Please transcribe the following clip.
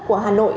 của hà nội